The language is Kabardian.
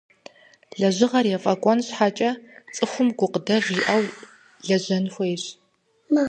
Лэжьыгъэр ефӀэкӀуэн щхьэкӀэ цӀыхум гукъыдэж яӀэу лэжьэн хуейщ.